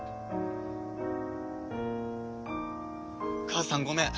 母さんごめん。